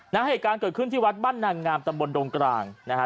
เหตุการณ์เกิดขึ้นที่วัดบ้านนางงามตำบลดงกลางนะฮะ